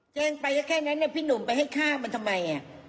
แจ้งไปก็แค่นั้นพี่หนุ่มไปให้ฆ่ามันทำไม